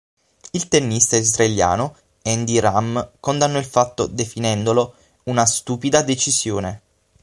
Il tennista israeliano Andy Ram condannò il fatto, definendolo una "stupida decisione".